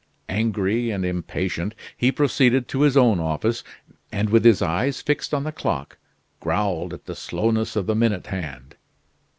Angry and impatient, he proceeded to his own office; and with his eyes fixed on the clock, growled at the slowness of the minute hand.